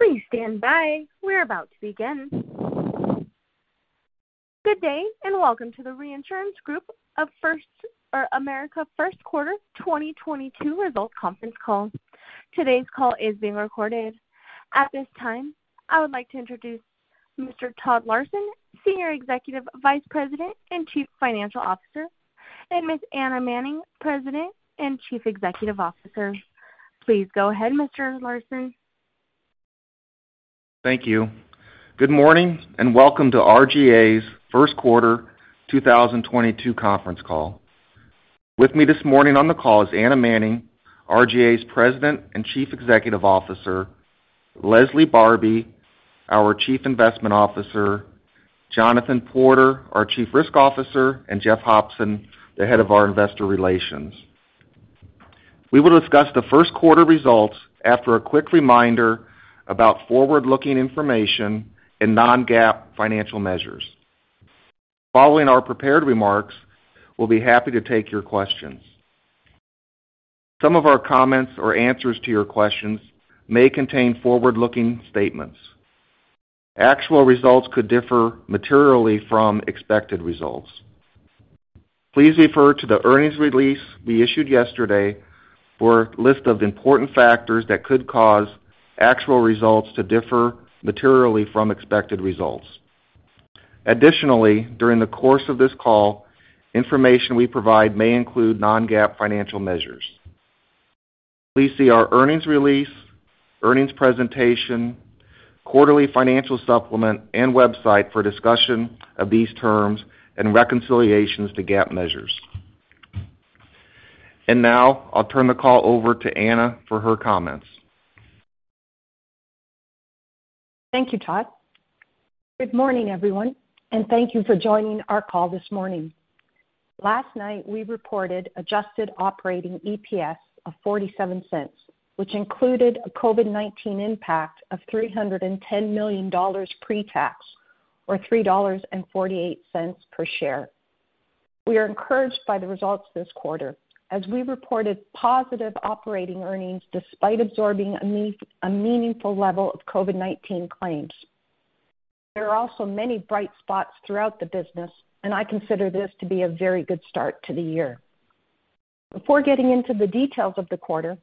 Please stand by. We're about to begin. Good day and welcome to the Reinsurance Group of America First Quarter 2022 Results Conference Call. Today's call is being recorded. At this time, I would like to introduce Mr. Todd Larson, Senior Executive Vice President and Chief Financial Officer, and Ms. Anna Manning, President and Chief Executive Officer. Please go ahead, Mr. Larson. Thank you. Good morning and welcome to RGA's First Quarter 2022 Conference Call. With me this morning on the call is Anna Manning, RGA's President and Chief Executive Officer, Leslie Barbi, our Chief Investment Officer, Jonathan Porter, our Chief Risk Officer, and Jeff Hopson, the head of our investor relations. We will discuss the first quarter results after a quick reminder about forward-looking information and non-GAAP financial measures. Following our prepared remarks, we'll be happy to take your questions. Some of our comments or answers to your questions may contain forward-looking statements. Actual results could differ materially from expected results. Please refer to the earnings release we issued yesterday for a list of important factors that could cause actual results to differ materially from expected results. Additionally, during the course of this call, information we provide may include non-GAAP financial measures. Please see our earnings release, earnings presentation, quarterly financial supplement, and website for discussion of these terms and reconciliations to GAAP measures. Now I'll turn the call over to Anna for her comments. Thank you, Todd. Good morning, everyone, and thank you for joining our call this morning. Last night, we reported adjusted operating EPS of $0.47, which included a COVID-19 impact of $310 million pre-tax or $3.48 per share. We are encouraged by the results this quarter as we reported positive operating earnings despite absorbing a meaningful level of COVID-19 claims. There are also many bright spots throughout the business, and I consider this to be a very good start to the year. Before getting into the details of the quarter,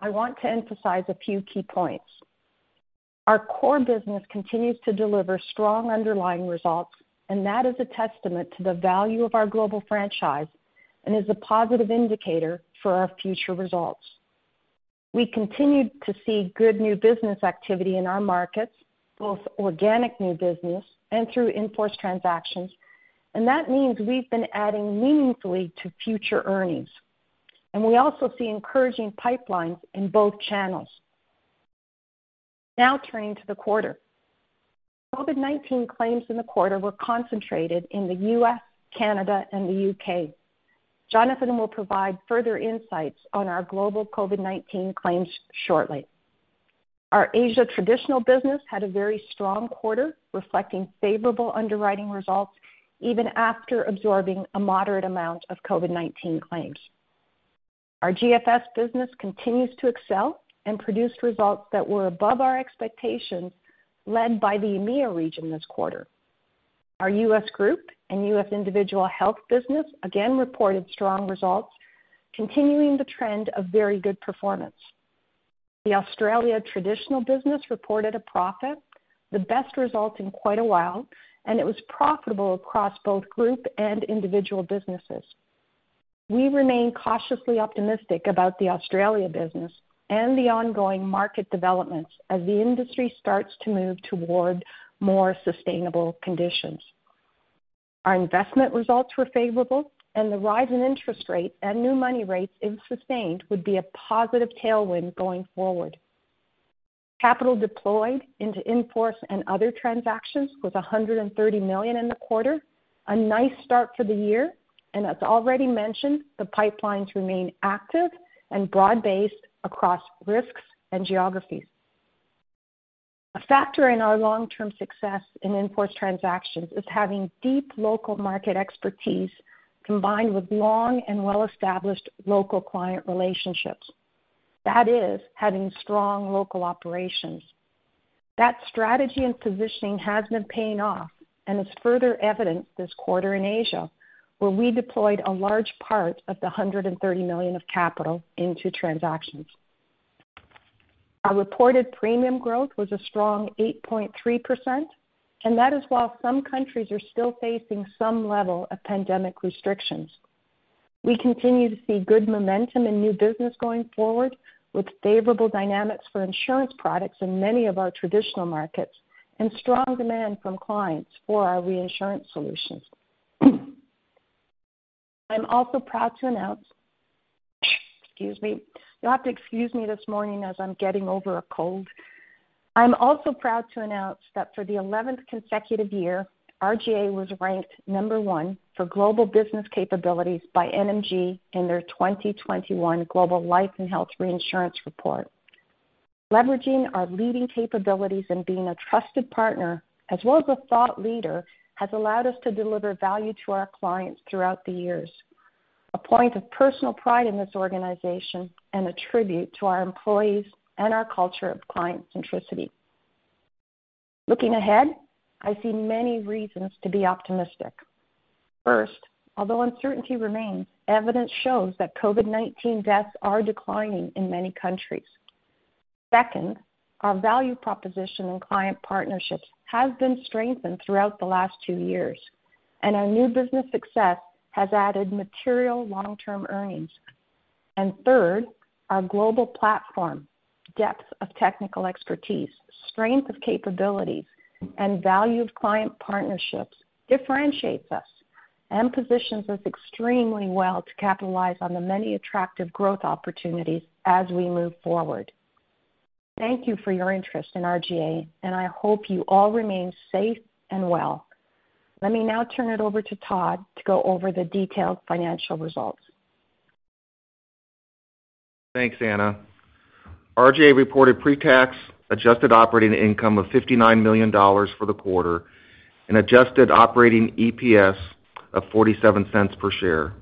I want to emphasize a few key points. Our core business continues to deliver strong underlying results, and that is a testament to the value of our global franchise and is a positive indicator for our future results. We continued to see good new business activity in our markets, both organic new business and through in-force transactions, and that means we've been adding meaningfully to future earnings. We also see encouraging pipelines in both channels. Now turning to the quarter. COVID-19 claims in the quarter were concentrated in the U.S., Canada, and the U.K. Jonathan will provide further insights on our global COVID-19 claims shortly. Our Asia traditional business had a very strong quarter, reflecting favorable underwriting results even after absorbing a moderate amount of COVID-19 claims. Our GFS business continues to excel and produced results that were above our expectations, led by the EMEA region this quarter. Our U.S. Group and U.S. Individual Health business again reported strong results, continuing the trend of very good performance. The Australia traditional business reported a profit, the best result in quite a while, and it was profitable across both group and individual businesses. We remain cautiously optimistic about the Australia business and the ongoing market developments as the industry starts to move toward more sustainable conditions. Our investment results were favorable and the rise in interest rate and new money rates, if sustained, would be a positive tailwind going forward. Capital deployed into in-force and other transactions was $130 million in the quarter, a nice start for the year. As already mentioned, the pipelines remain active and broad-based across risks and geographies. A factor in our long-term success in in-force transactions is having deep local market expertise combined with long and well-established local client relationships. That is, having strong local operations. That strategy and positioning has been paying off and is further evident this quarter in Asia, where we deployed a large part of the $130 million of capital into transactions. Our reported premium growth was a strong 8.3%, and that is while some countries are still facing some level of pandemic restrictions. We continue to see good momentum in new business going forward, with favorable dynamics for insurance products in many of our traditional markets and strong demand from clients for our reinsurance solutions. I'm also proud to announce that for the 11th consecutive year, RGA was ranked number one for global business capabilities by NMG in their 2021 Global Life and Health Reinsurance Study. Leveraging our leading capabilities and being a trusted partner as well as a thought leader has allowed us to deliver value to our clients throughout the years. A point of personal pride in this organization and a tribute to our employees and our culture of client centricity. Looking ahead, I see many reasons to be optimistic. First, although uncertainty remains, evidence shows that COVID-19 deaths are declining in many countries. Second, our value proposition and client partnerships has been strengthened throughout the last two years, and our new business success has added material long-term earnings. Third, our global platform, depth of technical expertise, strength of capabilities, and value of client partnerships differentiates us and positions us extremely well to capitalize on the many attractive growth opportunities as we move forward. Thank you for your interest in RGA, and I hope you all remain safe and well. Let me now turn it over to Todd to go over the detailed financial results. Thanks, Anna. RGA reported pre-tax adjusted operating income of $59 million for the quarter and adjusted operating EPS of $0.47 per share,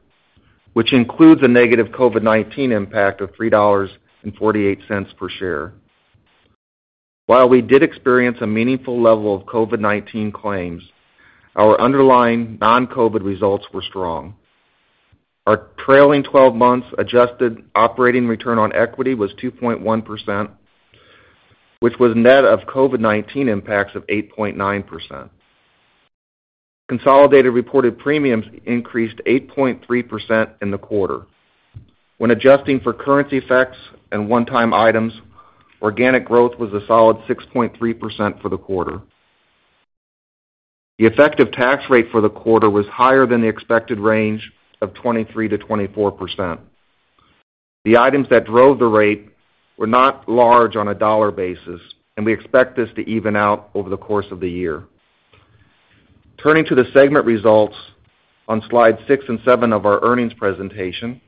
which includes a negative COVID-19 impact of $3.48 per share. While we did experience a meaningful level of COVID-19 claims, our underlying non-COVID results were strong. Our trailing twelve months adjusted operating return on equity was 2.1%, which was net of COVID-19 impacts of 8.9%. Consolidated reported premiums increased 8.3% in the quarter. When adjusting for currency effects and one-time items, organic growth was a solid 6.3% for the quarter. The effective tax rate for the quarter was higher than the expected range of 23%-24%. The items that drove the rate were not large on a dollar basis, and we expect this to even out over the course of the year. Turning to the segment results on slide six and seven of our earnings presentation,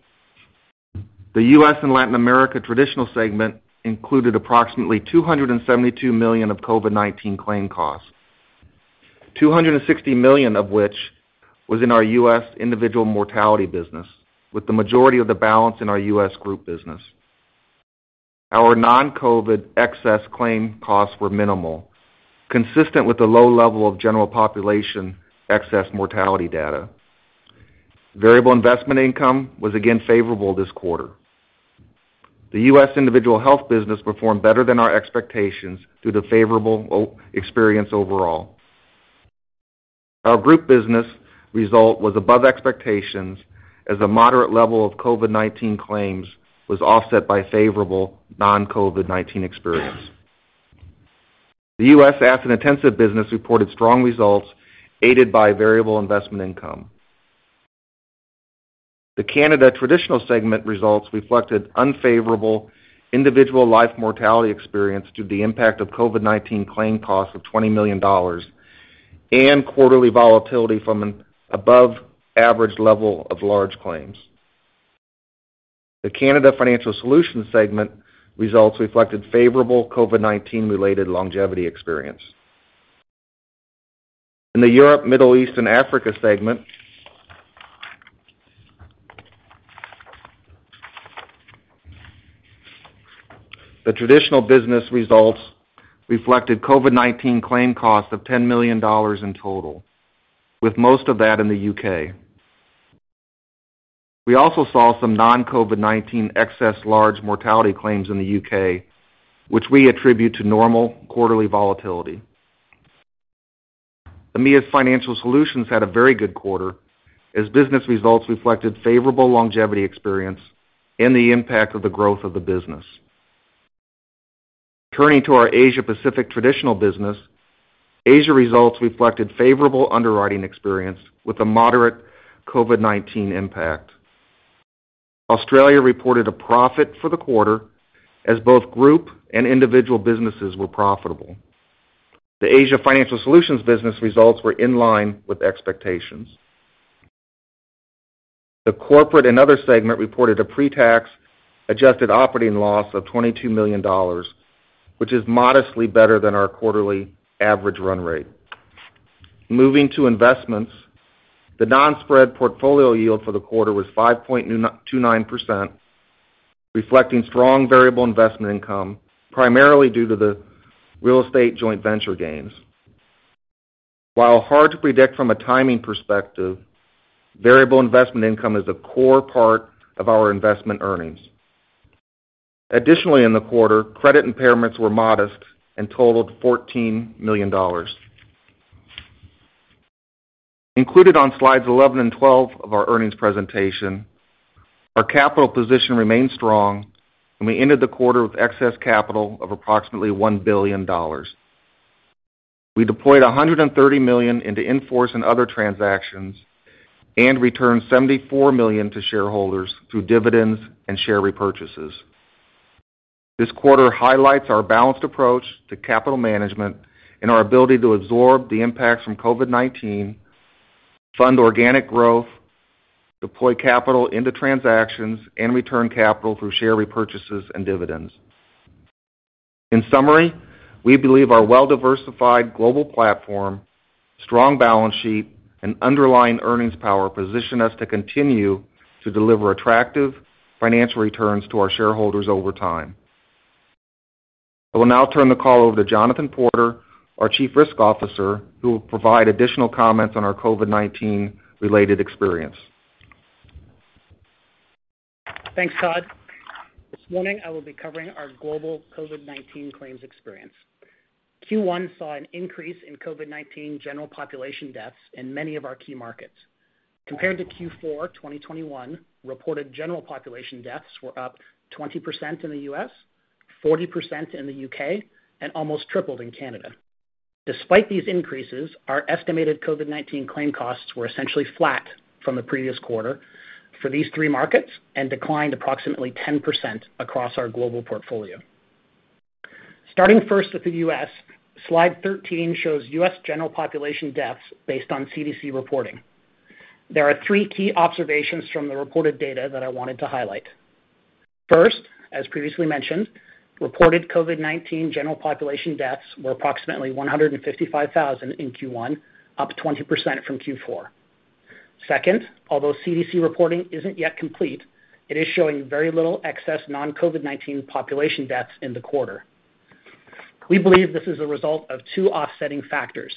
the U.S. and Latin America Traditional segment included approximately $272 million of COVID-19 claim costs, $260 million of which was in our U.S. Individual Mortality business, with the majority of the balance in our U.S. Group business. Our non-COVID-19 excess claim costs were minimal, consistent with the low level of general population excess mortality data. Variable investment income was again favorable this quarter. The U.S. Individual Health business performed better than our expectations through the favorable experience overall. Our Group business result was above expectations as a moderate level of COVID-19 claims was offset by favorable non-COVID-19 experience. The U.S. asset-intensive business reported strong results aided by variable investment income. The Canada Traditional segment results reflected unfavorable individual life mortality experience due to the impact of COVID-19 claim costs of $20 million and quarterly volatility from an above average level of large claims. The Canada Financial Solutions segment results reflected favorable COVID-19-related longevity experience. In the Europe, Middle East, and Africa segment, the traditional business results reflected COVID-19 claim costs of $10 million in total, with most of that in the U.K. We also saw some non-COVID-19 excess large mortality claims in the U.K., which we attribute to normal quarterly volatility. EMEA's Financial Solutions had a very good quarter as business results reflected favorable longevity experience and the impact of the growth of the business. Turning to our Asia Pacific Traditional business, Asia results reflected favorable underwriting experience with a moderate COVID-19 impact. Australia reported a profit for the quarter as both Group and Individual businesses were profitable. The Asia Financial Solutions business results were in line with expectations. The Corporate and Other segment reported a pre-tax adjusted operating loss of $22 million, which is modestly better than our quarterly average run rate. Moving to investments, the non-spread portfolio yield for the quarter was 5.29%, reflecting strong variable investment income, primarily due to the real estate joint venture gains. While hard to predict from a timing perspective, variable investment income is a core part of our investment earnings. Additionally, in the quarter, credit impairments were modest and totaled $14 million. Included on slides 11 and 12 of our earnings presentation, our capital position remains strong, and we ended the quarter with excess capital of approximately $1 billion. We deployed $130 million into in-force and other transactions and returned $74 million to shareholders through dividends and share repurchases. This quarter highlights our balanced approach to capital management and our ability to absorb the impacts from COVID-19, fund organic growth, deploy capital into transactions, and return capital through share repurchases and dividends. In summary, we believe our well-diversified global platform, strong balance sheet, and underlying earnings power position us to continue to deliver attractive financial returns to our shareholders over time. I will now turn the call over to Jonathan Porter, our Chief Risk Officer, who will provide additional comments on our COVID-19 related experience. Thanks, Todd. This morning, I will be covering our global COVID-19 claims experience. Q1 saw an increase in COVID-19 general population deaths in many of our key markets. Compared to Q4 2021, reported general population deaths were up 20% in the U.S., 40% in the U.K., and almost tripled in Canada. Despite these increases, our estimated COVID-19 claim costs were essentially flat from the previous quarter for these three markets and declined approximately 10% across our global portfolio. Starting first with the U.S., slide 13 shows U.S. general population deaths based on CDC reporting. There are three key observations from the reported data that I wanted to highlight. First, as previously mentioned, reported COVID-19 general population deaths were approximately 155,000 in Q1, up 20% from Q4. Second, although CDC reporting isn't yet complete, it is showing very little excess non-COVID-19 population deaths in the quarter. We believe this is a result of two offsetting factors,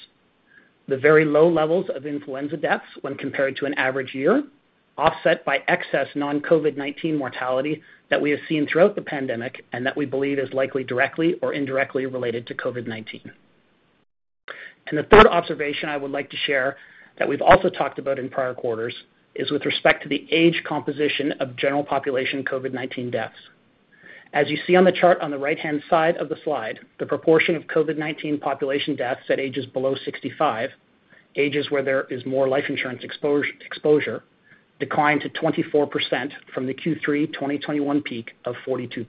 the very low levels of influenza deaths when compared to an average year, offset by excess non-COVID-19 mortality that we have seen throughout the pandemic and that we believe is likely directly or indirectly related to COVID-19. The third observation I would like to share that we've also talked about in prior quarters is with respect to the age composition of general population COVID-19 deaths. As you see on the chart on the right-hand side of the slide, the proportion of COVID-19 population deaths at ages below 65, ages where there is more life insurance exposure, declined to 24% from the Q3 2021 peak of 42%.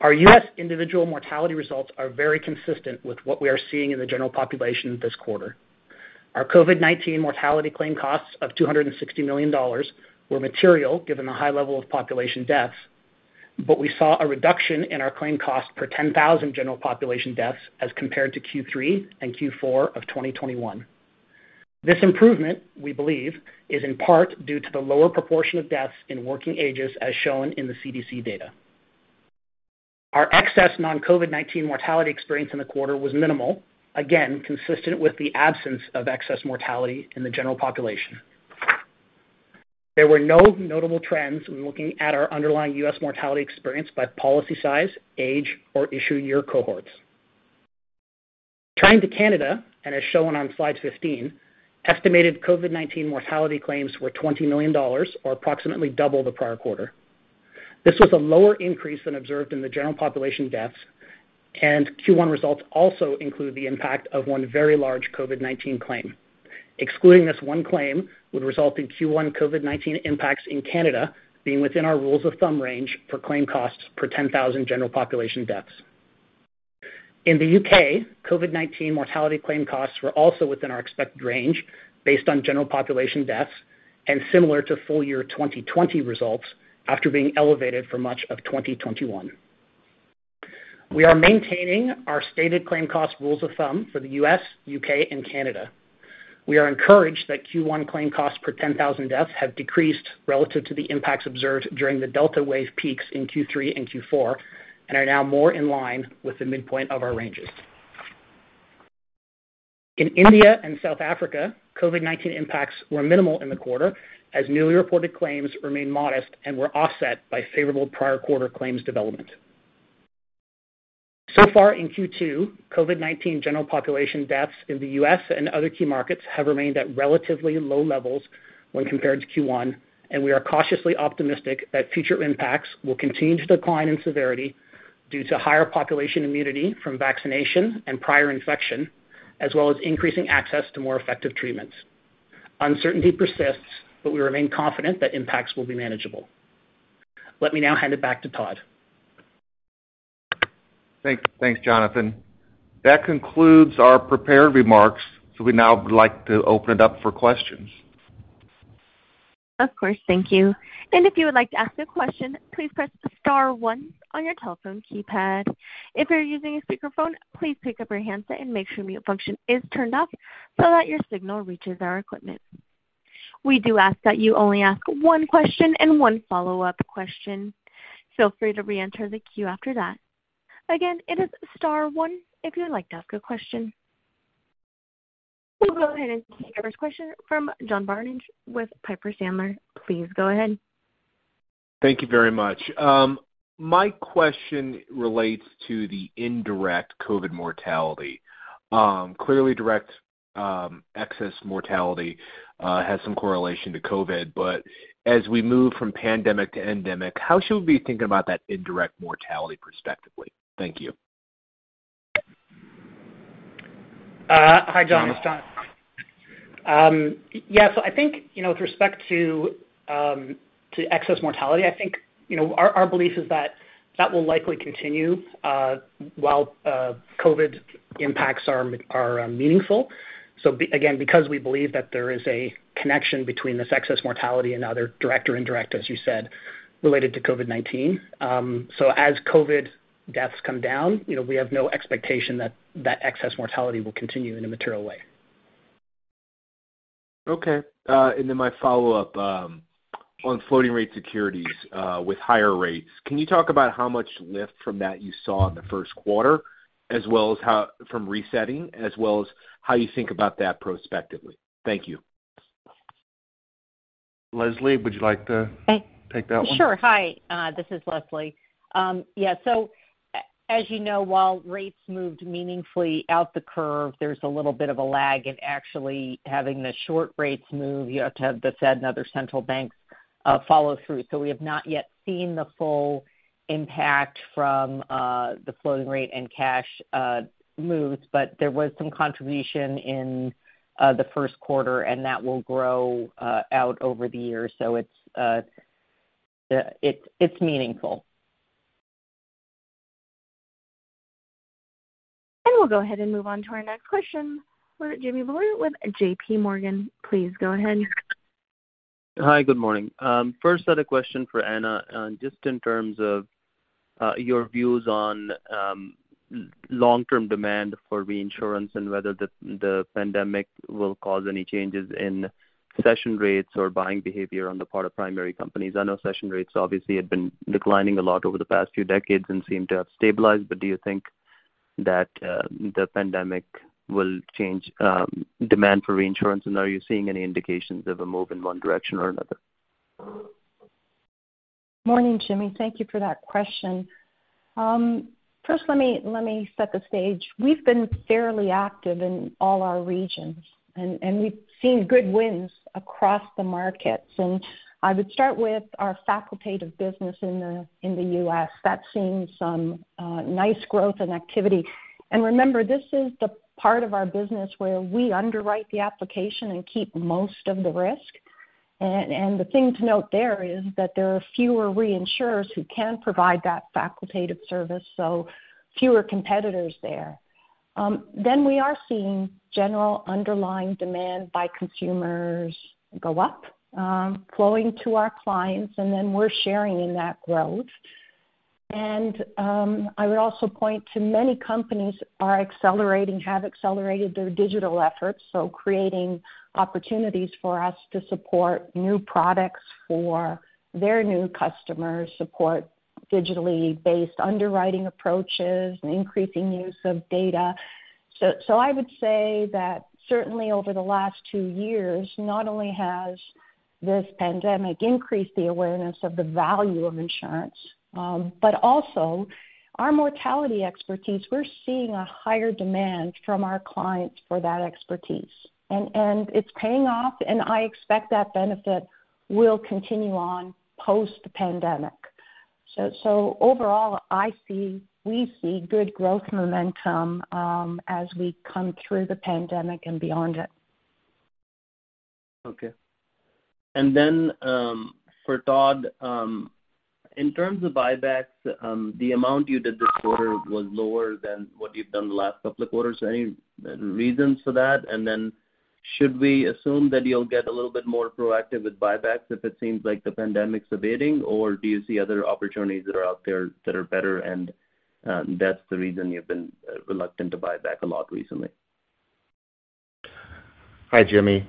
Our US individual mortality results are very consistent with what we are seeing in the general population this quarter. Our COVID-19 mortality claim costs of $260 million were material given the high level of population deaths, but we saw a reduction in our claim cost per 10,000 general population deaths as compared to Q3 and Q4 of 2021. This improvement, we believe, is in part due to the lower proportion of deaths in working ages as shown in the CDC data. Our excess non-COVID-19 mortality experience in the quarter was minimal, again, consistent with the absence of excess mortality in the general population. There were no notable trends when looking at our underlying US mortality experience by policy size, age, or issue year cohorts. Turning to Canada, as shown on slide 15, estimated COVID-19 mortality claims were $20 million or approximately double the prior quarter. This was a lower increase than observed in the general population deaths, and Q1 results also include the impact of 1 very large COVID-19 claim. Excluding this 1 claim would result in Q1 COVID-19 impacts in Canada being within our rules of thumb range for claim costs per 10,000 general population deaths. In the U.K., COVID-19 mortality claim costs were also within our expected range based on general population deaths and similar to full year 2020 results after being elevated for much of 2021. We are maintaining our stated claim cost rules of thumb for the U.S., U.K., and Canada. We are encouraged that Q1 claim costs per 10,000 deaths have decreased relative to the impacts observed during the Delta wave peaks in Q3 and Q4 and are now more in line with the midpoint of our ranges. In India and South Africa, COVID-19 impacts were minimal in the quarter as newly reported claims remained modest and were offset by favorable prior quarter claims development. So far in Q2, COVID-19 general population deaths in the U.S. and other key markets have remained at relatively low levels when compared to Q1, and we are cautiously optimistic that future impacts will continue to decline in severity due to higher population immunity from vaccination and prior infection, as well as increasing access to more effective treatments. Uncertainty persists, but we remain confident that impacts will be manageable. Let me now hand it back to Todd. Thanks, Jonathan. That concludes our prepared remarks. We now would like to open it up for questions. Of course. Thank you. If you would like to ask a question, please press star one on your telephone keypad. If you're using a speakerphone, please pick up your handset and make sure mute function is turned off so that your signal reaches our equipment. We do ask that you only ask one question and one follow-up question. Feel free to reenter the queue after that. Again, it is star one if you would like to ask a question. We'll go ahead and take our first question from John Barnidge with Piper Sandler. Please go ahead. Thank you very much. My question relates to the indirect COVID mortality. Clearly, direct excess mortality has some correlation to COVID, but as we move from pandemic to endemic, how should we be thinking about that indirect mortality prospectively? Thank you. Hi, John. It's Jon. Yes, I think, you know, with respect to excess mortality, I think, you know, our belief is that will likely continue, while COVID impacts are meaningful. Again, because we believe that there is a connection between this excess mortality and other direct or indirect, as you said, related to COVID-19. As COVID deaths come down, you know, we have no expectation that excess mortality will continue in a material way. Okay. My follow-up on floating rate securities with higher rates. Can you talk about how much lift from that you saw in the first quarter, as well as from resetting, as well as how you think about that prospectively? Thank you. Leslie, would you like to? Hey Take that one? Sure. Hi, this is Leslie. Yeah, as you know, while rates moved meaningfully out the curve, there's a little bit of a lag in actually having the short rates move. You have to have the Fed and other central banks follow through. We have not yet seen the full impact from the floating rate and cash moves, but there was some contribution in the first quarter, and that will grow out over the year. It's meaningful. We'll go ahead and move on to our next question with Jimmy Bhullar with JPMorgan. Please go ahead. Hi, good morning. First had a question for Anna, just in terms of your views on long-term demand for reinsurance and whether the pandemic will cause any changes in cession rates or buying behavior on the part of primary companies. I know cession rates obviously had been declining a lot over the past few decades and seem to have stabilized, but do you think that the pandemic will change demand for reinsurance? Are you seeing any indications of a move in one direction or another? Morning, Jimmy. Thank you for that question. First, let me set the stage. We've been fairly active in all our regions, and we've seen good wins across the markets. I would start with our facultative business in the U.S. That's seen some nice growth and activity. Remember, this is the part of our business where we underwrite the application and keep most of the risk. And the thing to note there is that there are fewer reinsurers who can provide that facultative service, so fewer competitors there. Then we are seeing general underlying demand by consumers go up, flowing to our clients, and then we're sharing in that growth. I would also point to many companies are accelerating, have accelerated their digital efforts, so creating opportunities for us to support new products for their new customers, support digitally based underwriting approaches, and increasing use of data. I would say that certainly over the last two years, not only has this pandemic increased the awareness of the value of insurance, but also our mortality expertise, we're seeing a higher demand from our clients for that expertise. It's paying off, and I expect that benefit will continue on post-pandemic. Overall, I see, we see good growth momentum, as we come through the pandemic and beyond it. Okay. For Todd, in terms of buybacks, the amount you did this quarter was lower than what you've done the last couple of quarters. Any reasons for that? Should we assume that you'll get a little bit more proactive with buybacks if it seems like the pandemic's abating, or do you see other opportunities that are out there that are better and, that's the reason you've been reluctant to buy back a lot recently? Hi, Jimmy.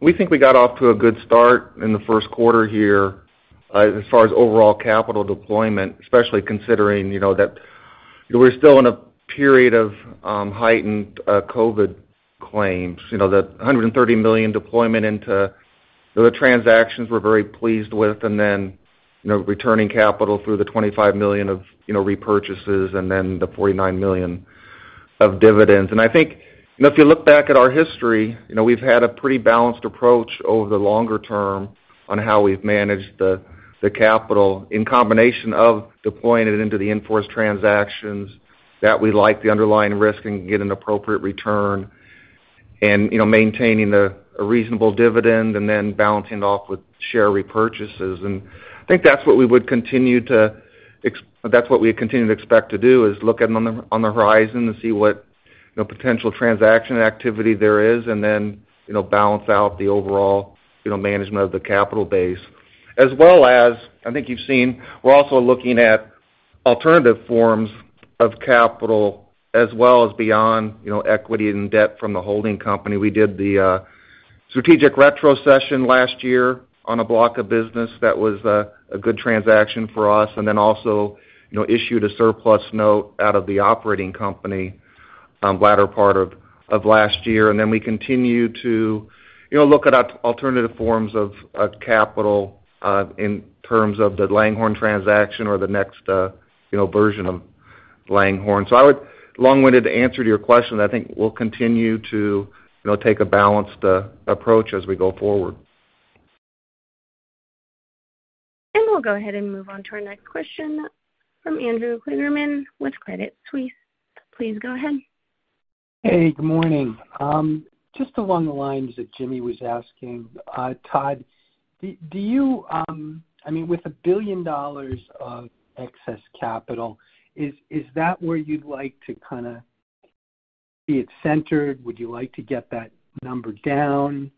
We think we got off to a good start in the first quarter here, as far as overall capital deployment, especially considering, you know, that we're still in a period of heightened COVID claims. You know, the $130 million deployment into the transactions we're very pleased with, and then, you know, returning capital through the $25 million of repurchases and then the $49 million of dividends. I think, you know, if you look back at our history, you know, we've had a pretty balanced approach over the longer term on how we've managed the capital in combination of deploying it into the in-force transactions that we like the underlying risk and get an appropriate return and, you know, maintaining a reasonable dividend and then balancing it off with share repurchases. I think that's what we continue to expect to do, is look at them on the horizon and see what, you know, potential transaction activity there is and then, you know, balance out the overall, you know, management of the capital base. As well as, I think you've seen, we're also looking at alternative forms of capital as well as beyond, you know, equity and debt from the holding company. We did the strategic retrocession last year on a block of business that was a good transaction for us. Then also, you know, issued a surplus note out of the operating company, latter part of last year. We continue to, you know, look at alternative forms of capital, in terms of the Langhorne transaction or the next, you know, version of Langhorne. My long-winded answer to your question, I think we'll continue to, you know, take a balanced approach as we go forward. We'll go ahead and move on to our next question from Andrew Kligerman with Credit Suisse. Please go ahead. Hey, good morning. Just along the lines that Jimmy was asking, Todd, I mean, with $1 billion of excess capital, is that where you'd like to kinda see it centered? Would you like to get that number down?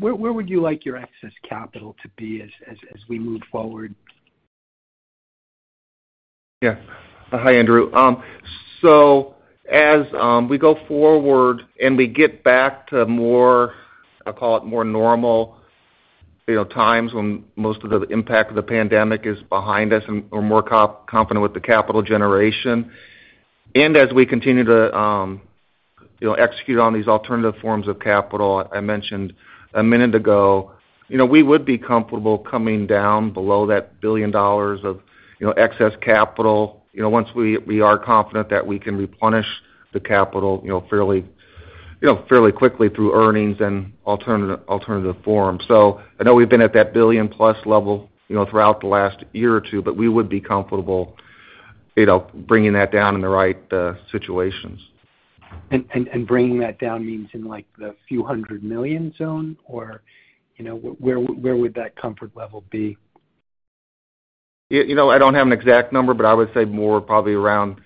Where would you like your excess capital to be as we move forward? Hi, Andrew. So as we go forward and we get back to more, I call it more normal, you know, times when most of the impact of the pandemic is behind us and we're more confident with the capital generation. As we continue to, you know, execute on these alternative forms of capital I mentioned a minute ago, you know, we would be comfortable coming down below that $1 billion of, you know, excess capital, you know, once we are confident that we can replenish the capital, you know, fairly quickly through earnings and alternative forms. I know we've been at that $1 billion-plus level, you know, throughout the last year or two, but we would be comfortable, you know, bringing that down in the right situations. bringing that down means in like the $ few hundred million zone, or, you know, where would that comfort level be? You know, I don't have an exact number, but I would say more probably around,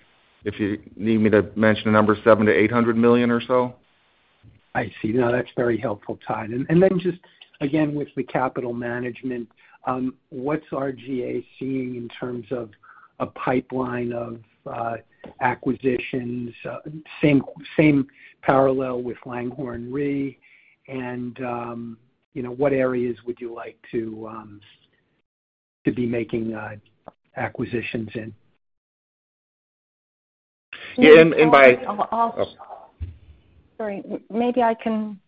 if you need me to mention a number, $700 million-$800 million or so. I see. No, that's very helpful, Todd. Then just again with the capital management, what's RGA seeing in terms of a pipeline of acquisitions? Same parallel with Langhorne Re. You know, what areas would you like to be making acquisitions in? Yeah. Sorry. Maybe I can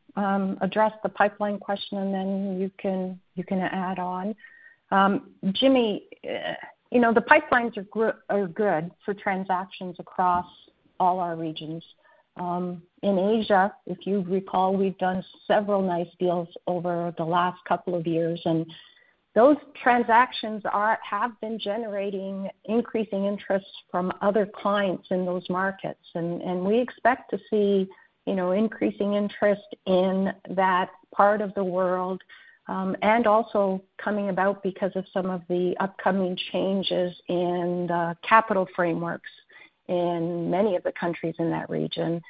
address the pipeline question, and then you can add on. Jimmy, you know, the pipelines are good for transactions across all our regions. In Asia, if you recall, we've done several nice deals over the last couple of years, and those transactions have been generating increasing interest from other clients in those markets. We expect to see, you know, increasing interest in that part of the world, and also coming about because of some of the upcoming changes in the capital frameworks in many of the countries in that region.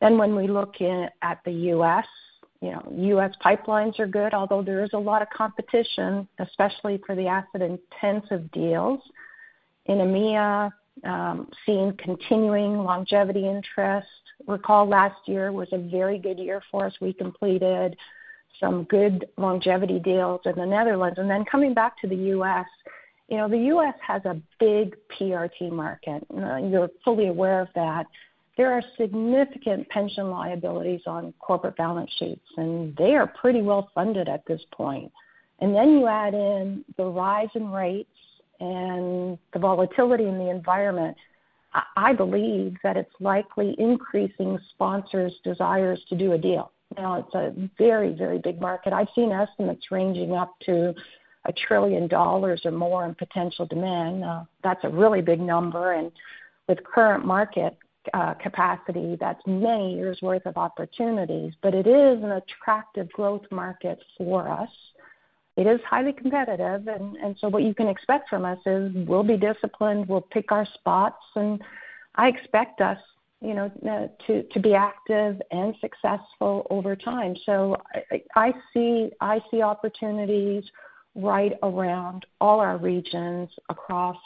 When we look at the U.S., you know, U.S. pipelines are good, although there is a lot of competition, especially for the asset-intensive deals. In EMEA, seeing continuing longevity interest. Recall last year was a very good year for us. We completed some good longevity deals in the Netherlands. Then coming back to the U.S., you know, the U.S. has a big PRT market. You're fully aware of that. There are significant pension liabilities on corporate balance sheets, and they are pretty well-funded at this point. Then you add in the rise in rates and the volatility in the environment. I believe that it's likely increasing sponsors' desires to do a deal. You know, it's a very, very big market. I've seen estimates ranging up to $1 trillion or more in potential demand. That's a really big number, and with current market capacity, that's many years' worth of opportunities. It is an attractive growth market for us. It is highly competitive and so what you can expect from us is we'll be disciplined, we'll pick our spots, and I expect us, you know, to be active and successful over time. I see opportunities right around all our regions across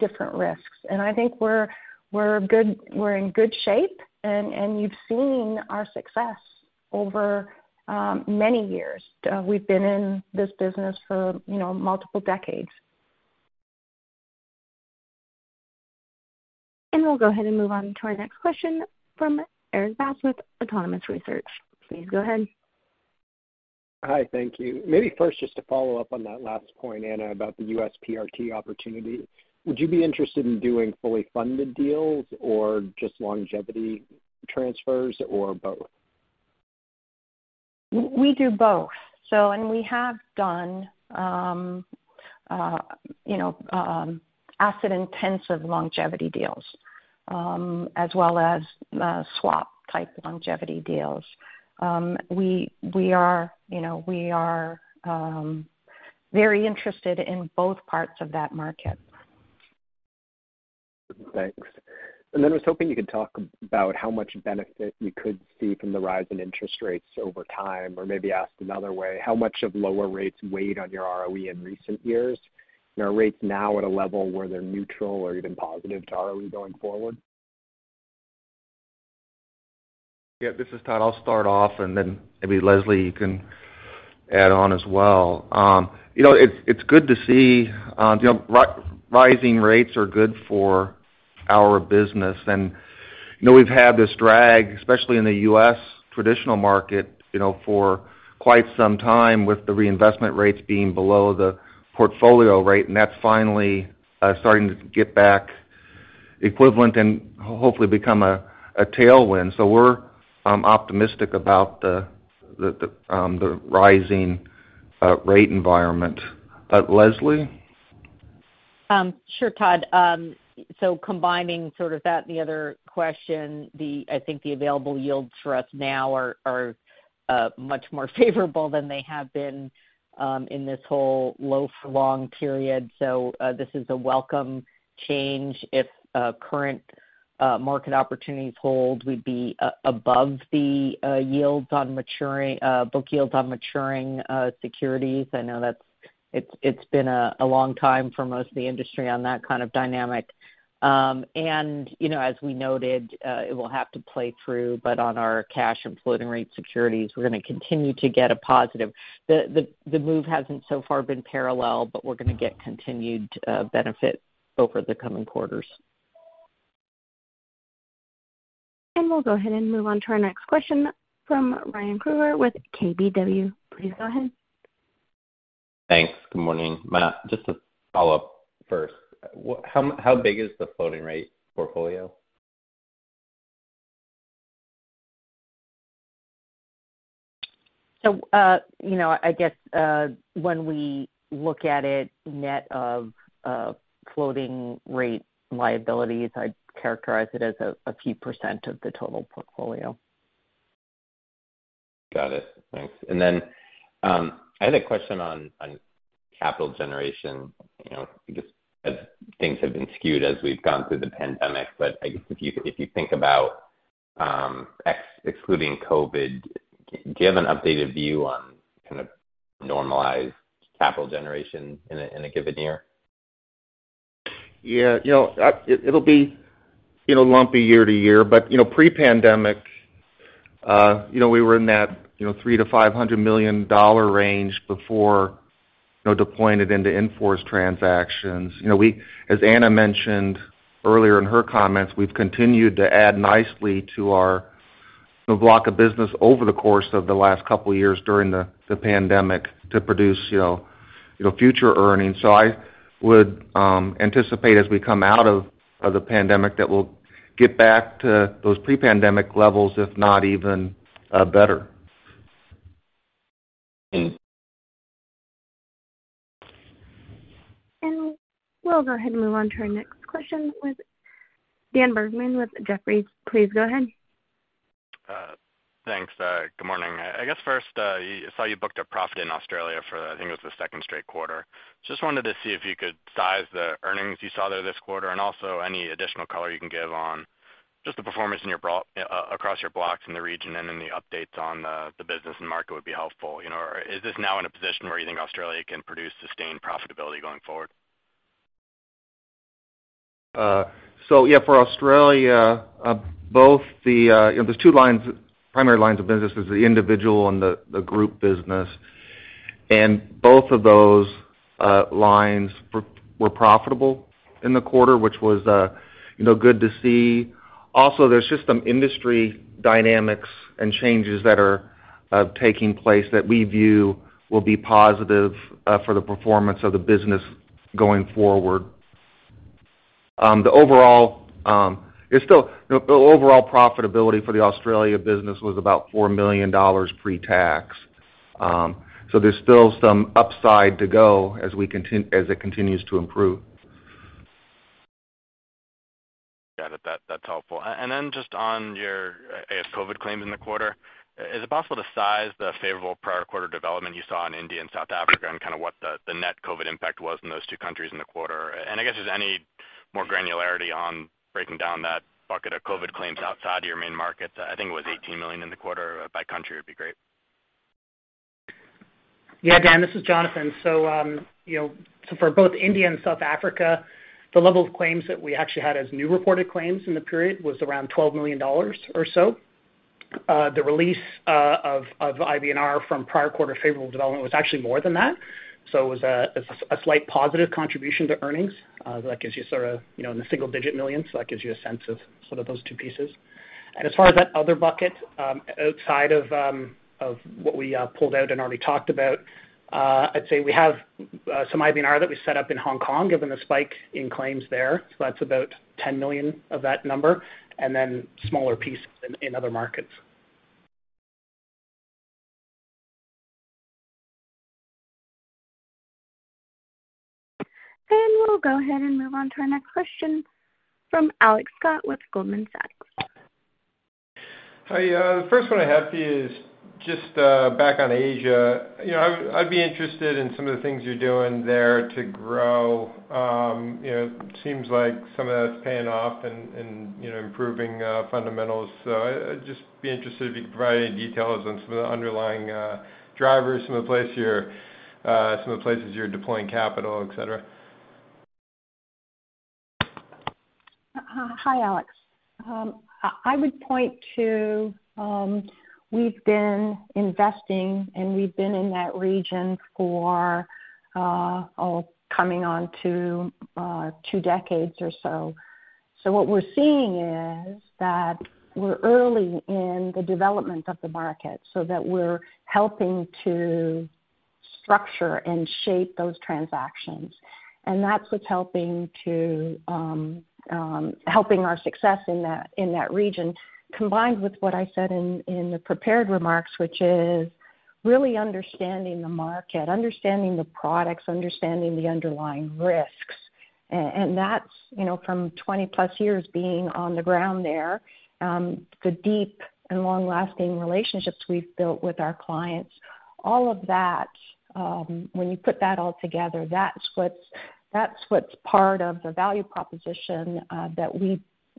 different risks. I think we're good, we're in good shape and you've seen our success over many years. We've been in this business for, you know, multiple decades. We'll go ahead and move on to our next question from Wes Carmichael with Autonomous Research. Please go ahead. Hi. Thank you. Maybe first, just to follow up on that last point, Anna, about the U.S. PRT opportunity. Would you be interested in doing fully funded deals or just longevity transfers or both? We do both. We have done, you know, asset-intensive longevity deals, as well as swap-type longevity deals. We are, you know, very interested in both parts of that market. Thanks. I was hoping you could talk about how much benefit you could see from the rise in interest rates over time. Maybe asked another way, how much of lower rates weighed on your ROE in recent years? Are rates now at a level where they're neutral or even positive to ROE going forward? Yeah. This is Todd. I'll start off, and then maybe Leslie, you can add on as well. You know, it's good to see, you know, rising rates are good for our business. You know, we've had this drag, especially in the U.S. traditional market, you know, for quite some time with the reinvestment rates being below the portfolio rate, and that's finally starting to get back equivalent and hopefully become a tailwind. We're optimistic about the rising rate environment. Leslie? Sure, Todd. Combining sort of that and the other question, I think the available yields for us now are much more favorable than they have been in this whole low for long period. This is a welcome change. If current market opportunities hold, we'd be above the yields on maturing book yields on maturing securities. I know it's been a long time for most of the industry on that kind of dynamic. You know, as we noted, it will have to play through, but on our cash and floating rate securities, we're gonna continue to get a positive. The move hasn't so far been parallel, but we're gonna get continued benefit over the coming quarters. We'll go ahead and move on to our next question from Ryan Krueger with KBW. Please go ahead. Thanks. Good morning. Matt, just to follow up first, how big is the floating rate portfolio? You know, I guess, when we look at it net of floating rate liabilities, I'd characterize it as a few % of the total portfolio. Got it. Thanks. I had a question on capital generation, you know, just as things have been skewed as we've gone through the pandemic. I guess if you think about excluding COVID, do you have an updated view on kind of normalized capital generation in a given year? Yeah. You know, it'll be, you know, lumpy year to year. You know, pre-pandemic, you know, we were in that, you know, $300 million-$500 million range before, you know, deploying it into in-force transactions. You know, as Anna mentioned earlier in her comments, we've continued to add nicely to our, you know, block of business over the course of the last couple years during the pandemic to produce, you know, future earnings. I would anticipate as we come out of the pandemic that we'll get back to those pre-pandemic levels, if not even better. Thanks. We'll go ahead and move on to our next question with Dan Bergman with Jefferies. Please go ahead. Thanks. Good morning. I guess first, I saw you booked a profit in Australia for, I think it was the second straight quarter. Just wanted to see if you could size the earnings you saw there this quarter, and also any additional color you can give on just the performance across your blocks in the region, and then the updates on the business and market would be helpful. You know, is this now in a position where you think Australia can produce sustained profitability going forward? Yeah, for Australia, both the, you know, there's two lines, primary lines of business is the individual and the group business. Both of those lines were profitable in the quarter, which was, you know, good to see. Also, there's just some industry dynamics and changes that are taking place that we view will be positive for the performance of the business going forward. The overall, it's still, you know, the overall profitability for the Australia business was about $4 million pre-tax. There's still some upside to go as it continues to improve. Got it. That's helpful. Just on your, I guess, COVID claims in the quarter, is it possible to size the favorable prior quarter development you saw in India and South Africa and kind of what the net COVID impact was in those two countries in the quarter? I guess, is any more granularity on breaking down that bucket of COVID claims outside your main markets? I think it was $18 million in the quarter by country would be great. Yeah, Dan, this is Jonathan Porter. You know, so for both India and South Africa, the level of claims that we actually had as new reported claims in the period was around $12 million or so. The release of IBNR from prior quarter favorable development was actually more than that. It was a, it's a slight positive contribution to earnings that gives you sort of you know in the single digit millions. That gives you a sense of sort of those two pieces. As far as that other bucket, outside of what we pulled out and already talked about, I'd say we have some IBNR that we set up in Hong Kong, given the spike in claims there. That's about $10 million of that number, and then smaller pieces in other markets. We'll go ahead and move on to our next question from Alex Scott with Goldman Sachs. Hiya. The first one I have for you is just back on Asia. You know, I'd be interested in some of the things you're doing there to grow. You know, it seems like some of that's paying off and, you know, improving fundamentals. I'd just be interested if you could provide any details on some of the underlying drivers, some of the places you're deploying capital, et cetera. Hi, Alex. I would point to, we've been investing and we've been in that region for coming on to two decades or so. What we're seeing is that we're early in the development of the market, so that we're helping to structure and shape those transactions. That's what's helping our success in that region, combined with what I said in the prepared remarks, which is really understanding the market, understanding the products, understanding the underlying risks. That's, you know, from 20+ years being on the ground there, the deep and long-lasting relationships we've built with our clients. All of that, when you put that all together, that's what's part of the value proposition that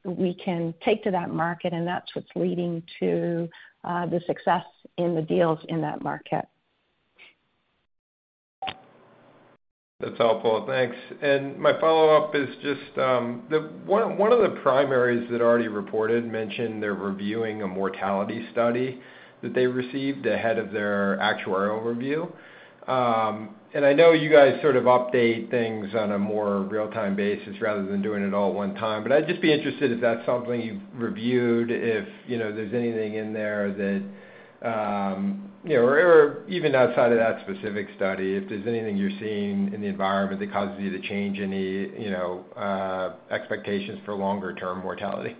we can take to that market, and that's what's leading to the success in the deals in that market. That's helpful. Thanks. My follow-up is just, one of the primaries that already reported mentioned they're reviewing a mortality study that they received ahead of their actuarial review. I know you guys sort of update things on a more real-time basis rather than doing it all at one time, but I'd just be interested if that's something you've reviewed, if, you know, there's anything in there that, you know, or even outside of that specific study, if there's anything you're seeing in the environment that causes you to change any, you know, expectations for longer term mortality.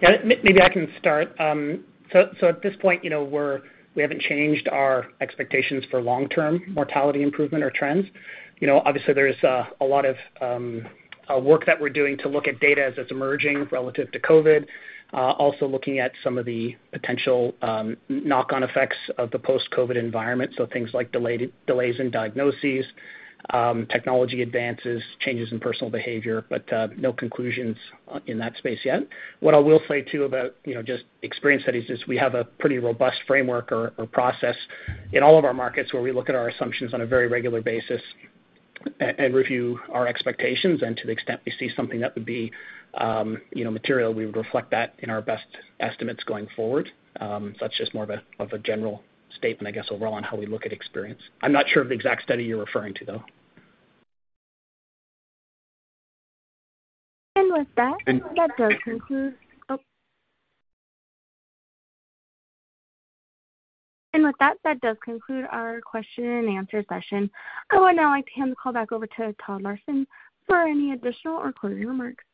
Yeah. I can start. At this point, you know, we haven't changed our expectations for long-term mortality improvement or trends. You know, obviously there's a lot of work that we're doing to look at data as it's emerging relative to COVID, also looking at some of the potential knock-on effects of the post-COVID environment, so things like delays in diagnoses, technology advances, changes in personal behavior, but no conclusions in that space yet. What I will say too about, you know, just experience studies is we have a pretty robust framework or process in all of our markets where we look at our assumptions on a very regular basis and review our expectations. To the extent we see something that would be, you know, material, we would reflect that in our best estimates going forward. That's just more of a general statement, I guess, overall, on how we look at experience. I'm not sure of the exact study you're referring to, though. With that does conclude our question-and-answer session. I would now like to hand the call back over to Todd Larson for any additional or closing remarks.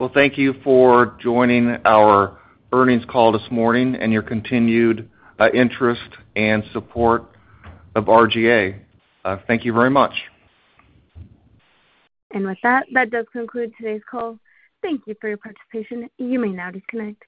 Well, thank you for joining our earnings call this morning and your continued interest and support of RGA. Thank you very much. With that does conclude today's call. Thank you for your participation. You may now disconnect.